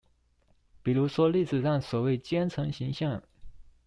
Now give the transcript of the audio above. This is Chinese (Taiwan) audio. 比如說歷史上所謂奸臣形象